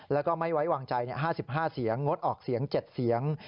แล้วก็ไม่ไว้วางใจ๕๕เสียงงดออกเสียง๗เสียง